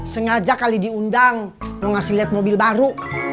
sengaja kali diundang mau ngasih lihat mobil baru